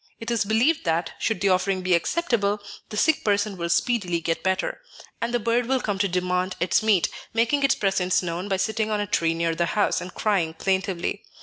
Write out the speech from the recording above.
It is believed that, should the offering be acceptable, the sick person will speedily get better, and the bird will come to demand its meat, making its presence known by sitting on a tree near the house, and crying plaintively.